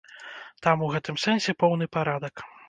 Там у гэтым сэнсе поўны парадак.